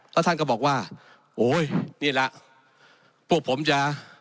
แล้วท่านก็บอกว่าโอ้ยนี่แหละพวกผมจะ